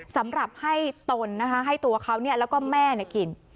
สำหรับให้ตนนะคะให้ตัวเขาเนี่ยแล้วก็แม่เนี่ยกิน